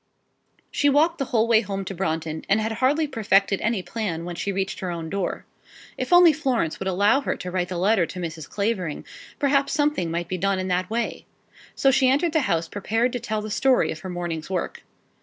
She walked the whole way home to Brompton, and had hardly perfected any plan when she reached her own door. If only Florence would allow her to write the letter to Mrs. Clavering, perhaps something might be done in that way. So she entered the house prepared to tell the story of her morning's work.